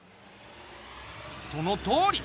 そのとおり！